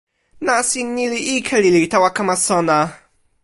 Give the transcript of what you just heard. nasin ni li ike lili tawa kama sona.